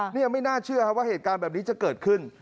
นี่ยังไม่น่าเชื่อว่าเหตุการณ์แบบนี้จะเกิดขึ้น